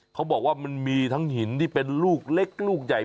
เขาบอกว่ามันมีทั้งหินที่เป็นลูกเล็กลูกใหญ่